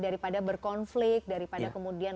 daripada berkonflik daripada kemudian